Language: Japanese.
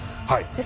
はい。